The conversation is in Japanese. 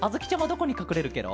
どこにかくれるケロ？